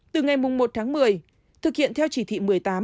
từ ngày một tháng một mươi thực hiện theo chỉ thị một mươi tám